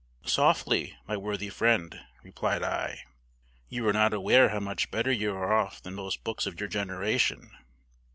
"Softly, my worthy friend," replied I; "you are not aware how much better you are off than most books of your generation.